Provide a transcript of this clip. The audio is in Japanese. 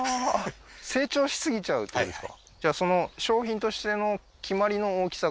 成長し過ぎちゃうってことですか？